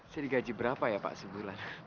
saya digaji berapa ya pak sebulan